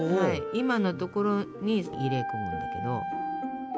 今のところに入れ込むんだけど。